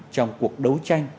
trong cuộc đấu tranh